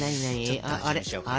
ちょっと味見しようかな？